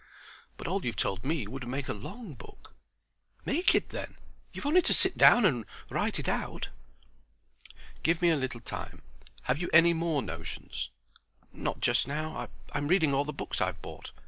"But all you've told me would make a long book." "Make it then. You've only to sit down and write it out." "Give me a little time. Have you any more notions?" "Not just now. I'm reading all the books I've bought.